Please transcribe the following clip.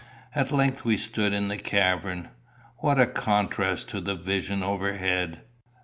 At length we stood in the cavern. What a contrast to the vision overhead!